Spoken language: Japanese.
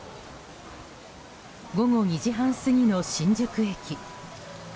午後２時半過ぎの新宿駅。